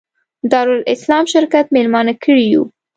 دارالسلام شرکت مېلمانه کړي یو.